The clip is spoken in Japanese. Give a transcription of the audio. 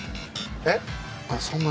えっ！？